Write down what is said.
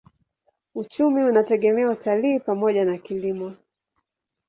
Uchumi unategemea utalii pamoja na kilimo.